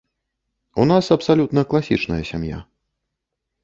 У нас абсалютна класічная сям'я.